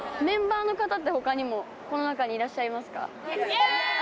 この中にいらっしゃいますか？